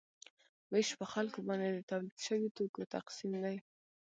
ویش په خلکو باندې د تولید شویو توکو تقسیم دی.